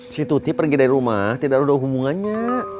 sampai jumpa di video selanjutnya